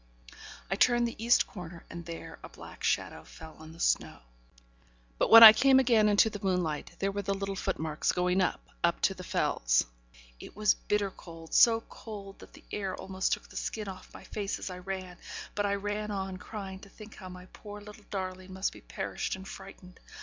I turned the east corner, and there a black shadow fell on the snow; but when I came again into the moonlight, there were the little foot marks going up up to the Fells. It was bitter cold; so cold, that the air almost took the skin off my face as I ran; but I ran on crying to think how my poor little darling must be perished and frightened.